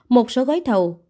một số gói thầu